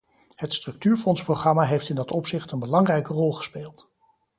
Het structuurfondsprogramma heeft in dat opzicht een belangrijke rol gespeeld.